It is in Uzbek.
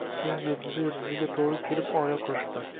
Keyin yulduzi yulduziga to`g`ri kelib, oila qurishdi